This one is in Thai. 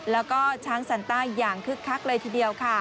แล้วก็ช้างสันต้าอย่างคึกคักเลยทีเดียวค่ะ